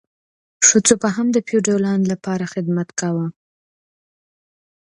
ښځو به هم د فیوډالانو لپاره خدمت کاوه.